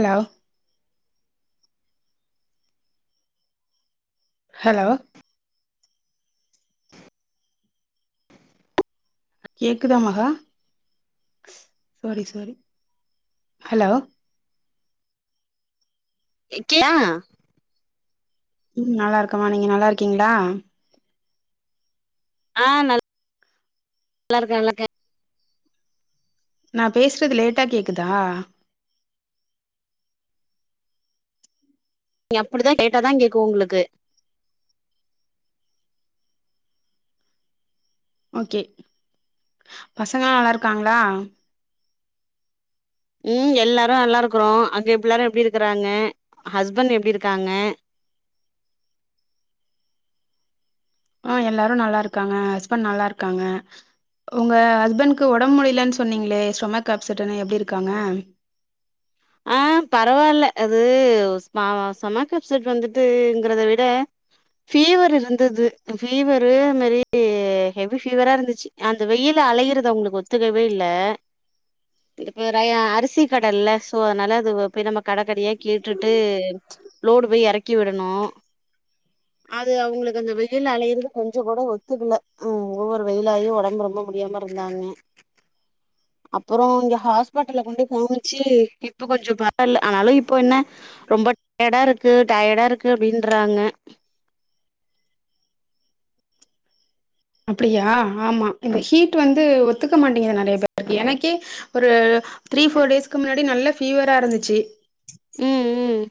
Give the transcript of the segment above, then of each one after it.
hello hello கேக்குதா மகா செரி செரி ஹலோ கேக்கியா ம் நல்லா இருக்குமா நீங்க நல்லா இருக்கீங்ளா ஆ நல் நல்லா இருக்கே நல்லா இருக்கே நா பேச்றது லேட்டா கேக்குதா நீ அப்டிதா லேட்டாதா கேக்கு உங்குளுக்கு ஓகே பசங்களா நல்லா இருக்காங்ளா ம் எல்லாரு நல்லா இருக்குறோ அங்க பிள்ளாரு எப்டி இருக்குறாங்க ஹஸ்பண்ட் எப்டி இருக்காங்க ஆ எல்லாரு நல்லா இருக்காங்க ஹஸ்பண்ட் நல்லா இருக்காங்க உங்க ஹஸ்பண்ட்கு உடம்பு முடியலன் சொன்னீங்ளே ஸ்டொமக் அப்செட்ன்னு எப்டி இருக்காங்க பரவாயில்ல அது மா ஸ்டொமக் அப்சைட் வந்துட்டுங்கறத விட ஃபீவர் இருந்தது ஃபீவரு அது மாரி ஹெவி ஃபீவரா இருந்துச்சு அந்த வெயில்ல அலைறது உங்குளுக்கு ஒத்துக்கவே இல்ல இது [unintelligible] அரிசி கடல்ல சோ அதனால அது போய் நம்ம கடைக்கடையா கேட்டுட்டு லோடு போய் இறக்கி விடணு அது அவங்களுக்கு அந்த வெயில்ல அலையறது கொஞ்சோ கூட ஒத்துக்கல கு ஓவரு வெயில்லாயி உடம்புக்கு ரொம்ப முடியாம இருகுறாங்க அப்பறோ இங்க ஹாஸ்பிட்டல கொண்டு போய் வெச்சு இப்ப கொஞ்சோ பரவால ஆனாலு இப்போ என்ன ரொம்ப டயர்டா இருக்கு டயர்டாஇருக்கு அப்டின்றாங்க அப்டியா ஆமா இந்த ஹீட் வந்து ஒத்துக்க மாட்டேங்குது நெறைய பேரு இருக்கு எனக்கே ஒரு த்ரீ போர் டேஸ்க்கு முன்னாடி நல்ல பீவரா இருந்துச்சு ம் ம்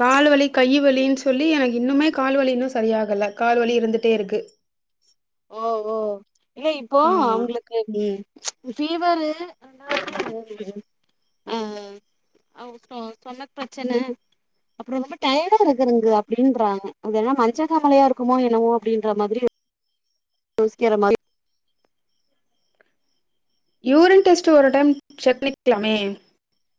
காய்வலி கை வலின் சொல்லி எனக்கு இன்னுமே கால்வலி இன்னு சரியாகல கால்வலி இருந்துட்டே இருக்கு ஓ ஓ இல்ல இப்போ ஆமா அவங்களுக் [unintelligible] ஃபீவரு ஆ அ சொன்ன பிரச்சன அப்பறோ ரொம்ப டயர்டா இருக்குங்க அப்டின்றாங்கா அப்டின்னா மஞ்ச காமாலையா இருக்குமோ என்னமோ அப்டின்ற மாதிரி யோசிக்கிற மாரி யூரின் டெஸ்ட் ஒரு டைம் செக் பண்ணிக்கலாமே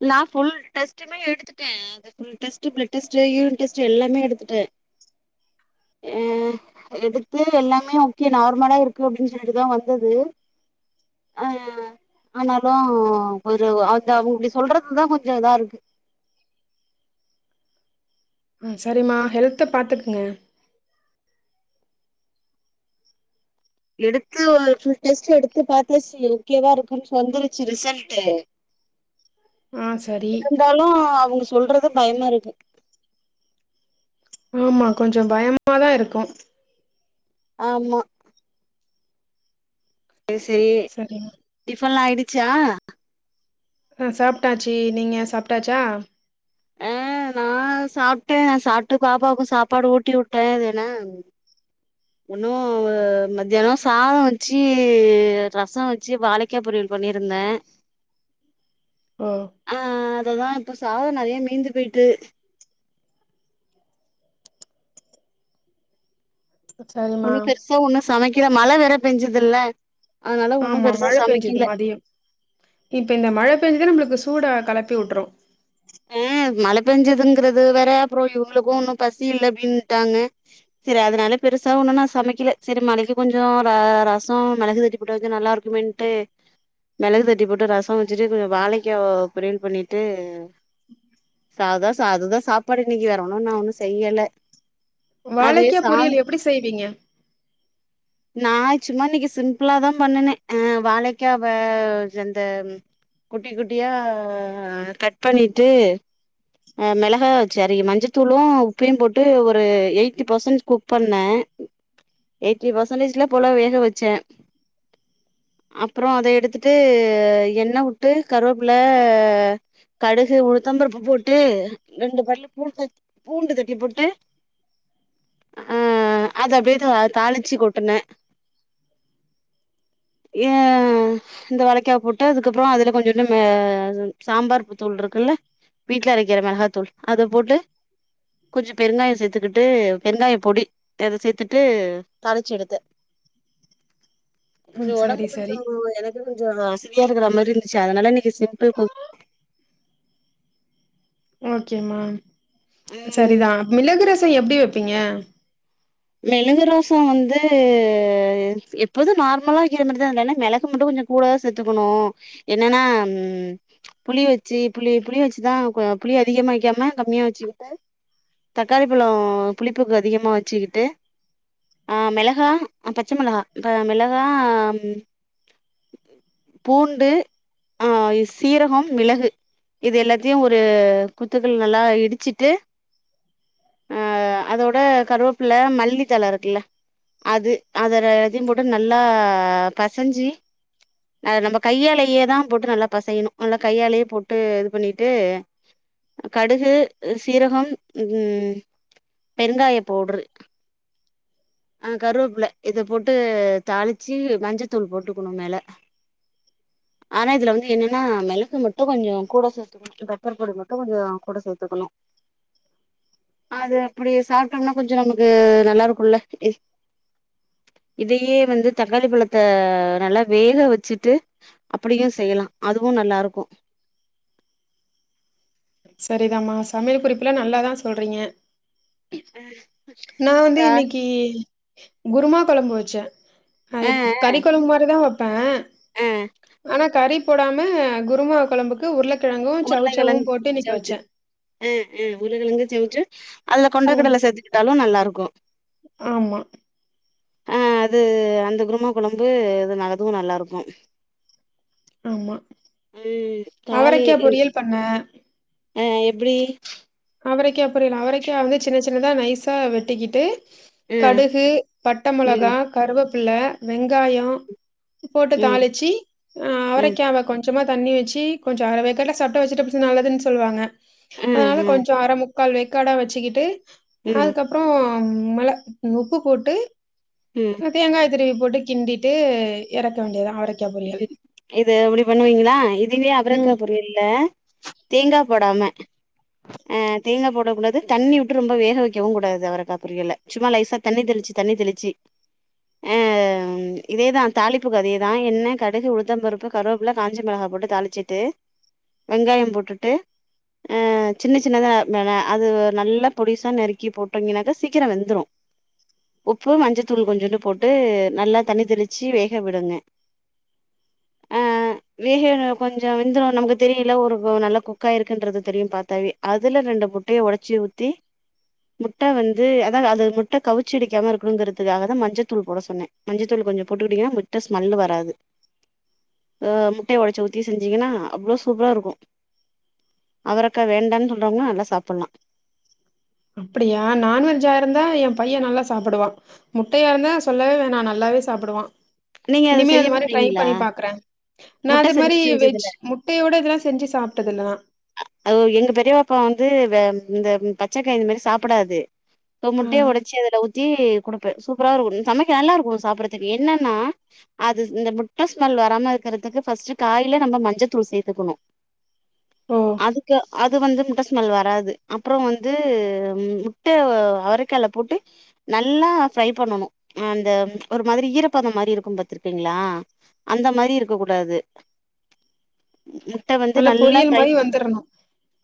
நா புல் டெஸ்ட்டுமே எடுத்துட்டே full test blood test urine test எல்லாமே எடுத்துட்ட எடுத்து எல்லாமே ஓகே நார்மலா இருக்கு அப்டின் சொல்லிட்டுதா வந்தது ஆ ஆனாலு ஒரு அந்த அவங்களுக்கு சொல்றதுதா கொஞ்சோ இது இருக்கு ம் சரிம்மா ஹெல்த்த பாத்துக்ங்க எடுத்துவோ ஃபுல் டெஸ்ட்டு எடுத்து பாத்தாச்சி ஹெல்தியா இருக்குன் சொந்துருச்சி ரிசல்ட்டு ஆ சரி ந்தாலு அவங்க சொல்றது பய்மா இருக்கு ஆமா கொஞ்சு பயமா தா இருக்கு ஆமா ஏ சே சரிம்மா டிஃபன்லா ஆய்டிச்சா ஆ சாப்டாச்சி நீங்க சாப்டாச்சா ஆ நா சாப்ட்ட சாப்ட்டு பாப்பாக்கு சாப்பாடு ஊட்டி வுட்ட எதனம் ஒன்னு வ மத்யானு சாதோ வச்சி ரசோ வச்சி வாழைக்கா பொரியல் பண்ணிருந்தே ஓ ஆ அதுதா இப்போ சாதோ நறியா மீந்து போய்ட்டு சரிம்மா உண்ணி பெர்சா ஒண்ணு சமைக்கல மழ வெற பெஞ்சதுல்ல அனால ஒண்ணு ஆமா பெருசா சமிக்கில இப் இந்த மழ பெஞ்சது நம்ளுக்கு சூடா கலப்பி விட்ரு அ மழ பெஞ்சதுங்றது வேற அப்றோ இவ்ங்ளுக்கு ஒன்னு பசி இல்ல அப்டின்ட்டாங்க சரி அதனால பெருசா ஒன்னு நா சமைக்கல சரி மலைக்கு கொஞ்சு ர ரசோ மெளகு தட்டி போட்ட இது நல்லார்க்குமேன் ட்டு மெளகு தட்டி போட்டு ரசோ வச்சுட்டு கொஞ்சு வாழைக்கோ பொரியல் பண்ணிட்டு சாதா சாதுதா சாப்பாடு இன்னிக்கி வேர ஒன்னு நா ஒன்னு செய்யல அதுவே வாழைக்கா சாதோ பொரியல் எப்படி செய்வீங்க நா ச்சும்மா இன்னிக்கி சிம்பிளா தா பண்ணுனே அ வாழைக்காவ ரந்தம் குட்டி குட்டியா கட் பண்ணிட்டு அ மெளகா ச்சரி மஞ்சத்தூளு உப்பையு போட்டு ஒரு யய்ட்டி பர்சன் குக் பண்ண எய்ட்டி பர்சன்டேஜ்ல போல வேக வெச்ச அப்றோ அத எடுத்துட்டு எண்ண வுட்டு கருவேப்புல கடு கு‌ உளுத்தம் பருப்பு போட்டு ரெண்டு பல்லு பூண்டு பூண்டு தட்டி போட்டு ஆ அத அப்டே தா தாளிச்சு கொட்டன ய இந்த வளைக்கா போட்டு அதுக்கப்றூ அதுல கொஞ்சுன்னு மே ஜுன் சாம்பார்ப்பு தூள் ருக் கல்ல வீட்ல அரைக்கிற மெளஹாத்தூள் அத போட்டு கொஞ்சு பெருங்காய சேத்துக்குட்டு பெருங்காய பொடி எத சேத்துட்டு தாலிச்சி எடுத்த [inaudible] கொஞ்சு ம் சரி ஒடம்பு கொஞ்சு சரி எனக்குனுஜோ அசதியா இருக்றா மாரி இருந்துச்சு அதனால நீ சிம்பிள் கு ஓகேமா ம் சரிதா மிளகு ரசோ எப்டி வப்பீங்க மெழுங்கு ரசோ வந்து ஏத் எப்போது நார்மலா வைக்க மரிதா இல்லன்ன மெளகு மட்டு கொஞ்சு கூடா செத்துக்குணு என்னன்னாம் புளி வச்சி புளி புளி வச்சுதா கோ புளி அதிகமா வைக்காம கம்மியா வச்சுக்குட்டு தக்காளி பழோ புளிப்புக் அதிகமா வச்சிக்கிட்டு ஆ மெளஹா ஆ பச்ச மிளகா இப்ப மிளகா அம் பூண்டு அஇ சீரகம் மிளகு இது எல்லாத்யு ஒரு குத்துக்கள் நல்லா இடிச்சிட்டு அ அதோட கருவேப்புள்ள மல்லித்தழ இருக்குல்ல அது அதுல ரத்தின் போட்டு நல்லா பசஞ்சி அது நம்ம கையாலையே தா போட்டு நல்லா பெசையணு நல்லா கையாலே போட்டு இது பண்ணிட்டு கடுகு சீரகம் ம் பெருங்காய பவுட்ரு அ கருவப்புள்ள இத போட்டு தாளிச்சு மஞ்சத்தூள் போட்டுக்குணு மேல ஆனா இதுல வந்து என்னன்னா மெளகு மட்டு கொஞ்சொ கூட சேத்து பெப்பர் பொடி மட்டு கொஞ்சொ கூட சேத்துக்கணு அது அப்டி சாப்ட்டோனா கொஞ்சொ நமக்கு நல்லா இருக்குல்ல இதயே வந்து தக்காளி பழத்த நல்லா வேக வச்சுட்டு அப்புடியு செய்யலா அதுவு நல்லா இருக்கு செரிதாமா சமையல் குறிப்புலா நல்லாதா சொல்றீங்க நா வந்து ஆ இன்னக்கி குருமா கொழம்பு வச்சே அது ஆ கறி கொழம்பு மாரிதா வப்பே ஆ ஆனா கறி போடாம குருமா கொழம்புக்கு உருளக்கெழங்கு சௌ சௌவு போட்டு இன்னக் அ அ உருளக்கெழங்கு சௌ சௌ அதுல ம் கொண்டக்கடல சேத்துக்கிட்டாலு நல்லா இருக்கு ஆமா அ அது அந்த குருமா கொழம்பு இது அதுவு நல்லா இருக்கு ஆமா ம் அவரெக்கா பொரியல் பண்ணே அ எப்டி அவரெக்கா பொரியல் அவரெக்காயா வந்து சின்ன சின்னதா நைசா வெட்டிக்கிட்டு ஆ கடுகு பட்ட மொளகா ம் கருவப்புள்ள வெங்காயொ போட்டு ம் தாளிச்சு ம் ம் அவரெக்காவ கொஞ் கொஞ்சமா தண்ணி வெச்சு கொஞ்சொ அற வேக்காடா சாப்டா வெஜிடபிள்ஸ் நல்லதுன்னு சொல்லுவாங்க ம் அதுனால ம் அர முக்கால் வேக்காடா வச்சுக்கிட்டு ம் அதுக்கப்றொ மெள உப்பு போட்டு ம் தேங்காய திருவி போட்டு கிண்டிட்டு எறக்க வேண்டியதா அவரெ இது அப்டி பண்ணுவீங்களா இதுங்களே அவரக்கா ம் பொரியல் இல்ல தேங்கா போடாம அ தேங்கா போடக்கூடாது தண்ணி விட்டு ரொம்ப வேக வக்கெவு கூடாது அவரக்கா பொரியல சும்மா லேசா தண்ணி தெளிச்சு தண்ணி தெளிச்சு அ இதேதா தாளிப்புக்கு அதேதா எண்ண கடுகு உழுந்தம் பருப்பு கருவப்பில காஞ்ச மெளகா போட்டு தாளிச்சிட்டு வெங்காயொ போட்டுட்டு சின்ன சின்னதா அது ஒர் நல்ல பொடிசா நறுக்கி போட்டங்கினாக்கா சீக்கெரொ வெந்துரு உப்பு மஞ்சத்தூள் கொஞ்சோண்டு போட்டு நல்லா தண்ணி தெளிச்சி வேக விடுங்க ஆ வேக கொஞ்சொ வெந்துரு நமக்கு தெரியுல்ல ஒரு நல்ல குக்காயிருக்குன்றது தெரியு பாத்தாவே அதுல ரெண்டு முட்டய ஒடச்சி ஊத்தி முட்ட வந்து அதா அது முட்ட கவுச்சிஅடிக்காம இருக்கணுங்கிறதுக்காக தா மஞ்சத்தூள் போட சொன்னை மஞ்சத்தூள் கொஞ்சோ போட்டுக்கிட்டிங்கன்னா முட்ட ஸ்மெல்லு வராது அ முட்டய ஒடச்சி ஊத்தி செஞ்சீங்கன்னா அவ்ளோ சூப்பரா இருக்கு அவரக்கா வேண்டான் சொல்றவுங்க நல்லா சாப்புட்லா அப்டியா நான்வெஜ்ஜா இருந்தா எ பையெ நல்லா சாப்டுவா முட்டையா இருந்தா சொல்லவே வேணா நல்லாவே சாப்டுவா நீங்க அத இனிமே செய்ய அந்த மாரி ட்ரை மாட்டீங்களா பண்ணி பாக்குறே நா முட்ட அது செஞ்சு மாரி வெஜ் செஞ்சதுல முட்டையோட இதெல்லா செஞ்சு சாப்ட்டதுல்ல நா அதுவு எங்க பெரிய பாப்பா வந்து வெ இந்த பச்சக்காய் இந்த மாரி சாப்புடாது தோ ஆ முட்டய ஒடச்சு அதுல ஊத்தி குடுப்பே சூப்பரா இருக்கு சமைக்க நல்லா இருக்கு சாப்புட்றத்துக்கு என்னன்னா அது இந்த முட்ட ஸ்மெல் வராம இருக்கறத் துக்கு ஃபர்ஸ்ட்டு காயில நம்ம மஞ்சத்தூள் சேத்துக்கனோ ஓ அதுக்க அது வந்து முட்ட ஸ்மெல் வராது அப்றோ வந்து முட்ட அவரக்காலப் போட்டு நல்லா ஃப்ரை பண்ணனோ அந்த ஒரு மாதிரி ஈரப்பதோ மாரி இருக்கும் பாத்ருக்கீங்ளா அந்த மாரி இருக்கக் கூடாது முட்ட வந்து நல்லா பொரியல் ஃப்ரை மாரி வந்துரணு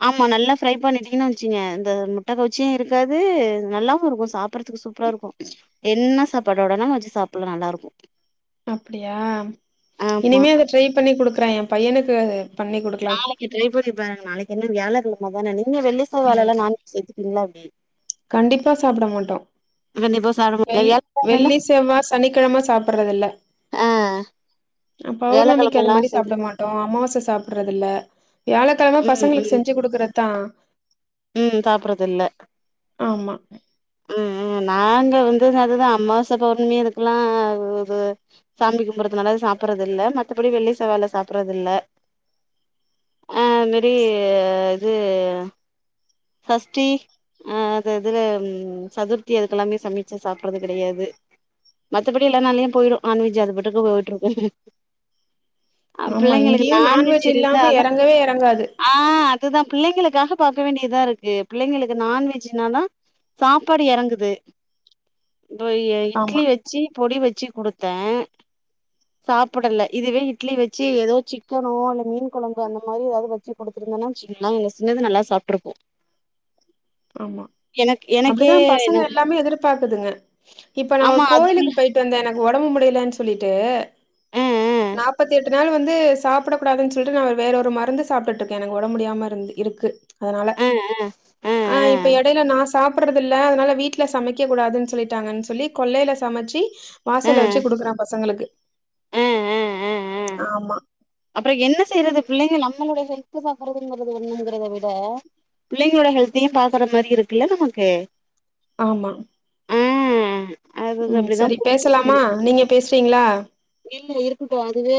ஆமா நல்லா ஃப்ரை பண்ணிட்டீங்கன்னு வச்சீங்க இந்த முட்டக் கவுச்சியு இருக்காது நல்லாவு இருக்கோ சாப்புறதுக்கு சூப் ப்ரா இருக்கோ என்ன சாப்பாட்டோடனா வச்சு சாப்புல்லா நல்லா இருக்கு அப்டியா ஆமா இனிமே அது ட்ரை பண்ணி குடுக்குற என் பையனுக்கு பண்ணிக் குடுக்கலா இன்னிக்கு ட்ரை பண்ணி பாருங்க நாளைக்குன்ன வியாழக் கெழம தான நீங்க வெள்ளி செவ்வாலல்லா நான்வெஜ் சேத்துக்குவீங்ளா எப்டி கண்டிப்பா சாப்ட மாட்டோ கண்டிப்பா சாப்ட மாட்டே வெள் வியாழக்கிழமைல வெள்ளி செவ்வா சனிக்கெழம சாப்புறதில்ல ஆ அ பௌர்ணமிக்கு அது வியாழக்கிழமலா மாரி சேத்து சாப்ட மா ட்டோ அமாவாச சாப்புறதுல்ல வியாழக்கெழம ம் பசங்ளுக்கு ம் செஞ்சு குடுக்கறதா ம் சாப்புறதுல்ல ஆமா ம் ம் நாங்க வந்து அதுதா அம்மாவாச பௌர்ணமி அதுக்கல்லா ஒரு சாமி கும்பறதுனால அது சாப்புறதுல்ல மத்தப்படி வெள்ளி செவ்வால்ல சாப்புறதுல்ல அ அந் மாரி இது சஷ்டி அ அது இதுல சதுர்த்தி அதுக்கெல்லாமே சமச்சி சாப்புறது கெடயாது மத்தபடி எல்லா நாள்லயு போயிடோ நான்வெஜ்ஜி அது பாட்டுக்கு போயிட்ருக்கோ அது ஆமா பிள்ளைங்களுக்கு இங்கேயு நான்வெஜ் இருந்தா இல்லாம தா எறங்கவே எறங்காது ஆ அதுதா பிள்ளைங்களுக்காக பாக்க வேண்டிதா இருக்கு பிள்ளைங்களுக்கு நான்வெஜ்ஜினா தா சாப்பாடு எறங்குது என் பைய ஆமா இட்லி வெச்சி பொடி வெச்சி குடுத்த சாப்படல இதுவே இட்லி வெச்சி ஏதோ சிக்கனோ அல்ல மீன் கொழம்பு அந்த மாரி எதாவ்து வச்சிக்குடுத்துருந்தனா வச்சிக்கங்ள எங்க சின்னது நல்லா சாப்ட்ருக்கோ ஆமா எனக்கு எனக்கே அப்டித்தா பசங்க எல்லாமே எதிர்பாக்குதுங்க இப்ப நா ஒரு ஆமா கோயிலுக்கு அதுங்களு போய் ட்டு வந்த எனக்கு ஒடம்பு முடிலன் சொல்லிட்டு அ நாப்பத்தி எட்டு நாள் வந்து சாப்டக்கூடாதுன் சொல்ட்டு நா வேறொரு மருந்து சாப்ட்டுட்டுருக்க எனக் ஒடம்பு முடியாம இருந்து இருக்கு அதனால ஏங்க ஆ இப்போ எடைய்ல நா சாப்புறது இல்ல அதனால வீட்ல சமைக்க கூடாதுன் சொல்லிட்டாங்கன் சொல்லி கொல்லையில சமச்சி அ அ வாசல்ல வச்சு குடுக்குற பசங்களுக்கு ஆமா அப்புறம் என்ன செய்றது பிள்ளைகள் நம்மளுடைய ஹெல்த்து பாக்கறதுங்கறது ஒண்ணுங்கிறத விட பிள்ளைங்களோட ஹெல்த்தையும் பாக்குற மாரி இருக்குல்ல நமக்கு ஆமா ஆ அது அது ம் அப்டிதா சரி போயிட்டு இருக்கு பேசலாமா நீங்க பேசுறீங்ளா இல்ல இருக்கட்டு அதுவே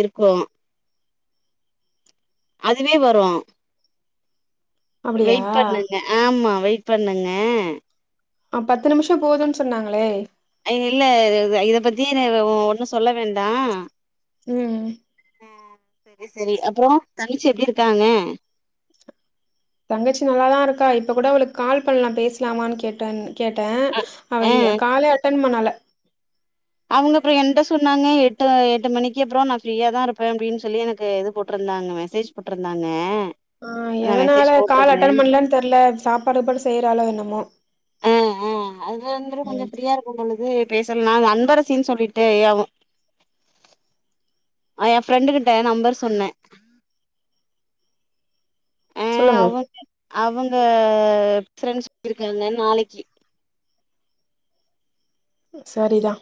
இருக்கும் அதுவே வரும் அப்டியா வெயிட் பண்ணுங்க ஆமா வெயிட் பண்ணுங்க ஆ பத்து நிமிஷம் போதும்ன்னு சொன்னாங்களே ஐ இல்ல இத பத்தி ஒன்னு சொல்ல வேண்டா ம் சரி சரி அப்போ தங்கச்சு எப்டி இருக்காங்க தங்கச்சி நல்லாதா இருக்கா இப்ப கூட அவளுக்கு கால் பண்ணலா பேசலாமான்னு கேட்ட கேட்டே ஆ அவ காலையே அட்டன் பண்ணல அவங்க அப்புற என்ட சொன்னாங்க எட்டு எட்டு மணிக்கு அப்புற நா ஃப்ரீயாதா இருப்பே அப்டின்னு சொல்லி எனக்கு இது போட்டுருந்தாங்க மெசேஜ் போட்டுருந்தாங்க ஆ எதனால கால் அட்டன் பண்ணலன்னு தெருல சாப்பாடுஇப்பாடு செய்யறாளோ என்னமோ ஆ ஆ அது வந்துட்டு கொஞ்ச ம் ஃப்ரீயா இருக்கும் பொழுது பேசலனா அது அன்பரசீன்னு சொல்லிட்டு ஆகு ஆ எ ஃப்ரெண்டு கிட்ட நம்பர் சொன்னே ஆ சொல்லுங்க அவங்க அவங்க பிராண்ட்ஸ் இருக்காங்க நாளைக்கு சரிதா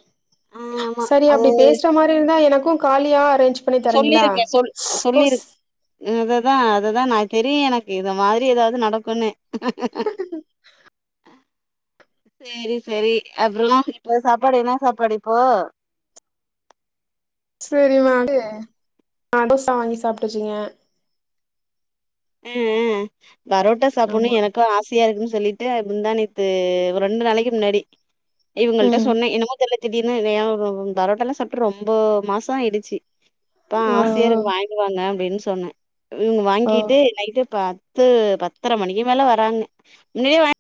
ஆ ஆமா சரி அது அப்படி பேசுற மாதிரி இருந்தா எனக்கு காலியா அரேஞ்ச் பண்ணி தரீங்களா சொல்லிருக்கே சொல் ஓ சொல்லிரு இததா அததா நா தெரியு எனக்கு இத மாதிரி ஏதாவது நடக்குன்னு [inaudible] சேரி சரி அப்புறம்மா இப்போ சாப்பாடு என்ன சாப்பாடு இப்போ சேரிம்மானு அதுரச வாங்கி சாப்ட்டுச்சிங்க ம்ம் பரோட்டா சாப்பிடனு ஆமா எனக்கு ஆசை த்யா இருக்குனு சொல்லிட்டு முத்தாநேத்து ரெண்டு நாளைக்கு முன்னாடி இவங்கள்ட ம் சொன்னே என்னமோ தெரில திடிர்னு ஏதா ஒனனு பரோட்டா எல்லா சாப்ட்டு ரொம்ப மாசம் ஆயிடுச்சு இப்ப ஓ ஆசையா ஓ இருக்குது வாங் இங்க வாங்க அப்டின்னு சொன்னே ம் ஓ வாங்கிட்டு நைட்டு பத்து பத்தரை மணிக்கு மேல வராங்க முன்னாடியே